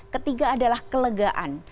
ketiga adalah kelegaan